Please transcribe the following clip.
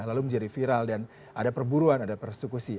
lalu menjadi viral dan ada perburuan ada persekusi